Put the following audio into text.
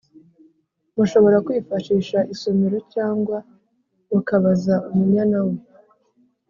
mushobora kwifashisha isomero cyangwa mukabaza Umunyana weee!